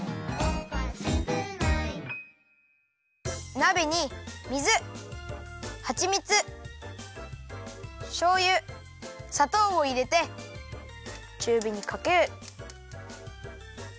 なべに水はちみつしょうゆさとうをいれてちゅうびにかける。